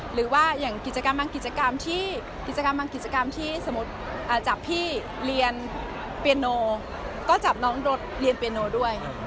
หรือว่าอย่างกิจกรรมบางกิจกรรมที่สมมุติจับพี่เรียนเปียโนก็จับน้องโดนเรียนเปียโนด้วย